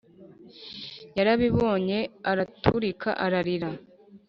Yarabibonye araturika ararira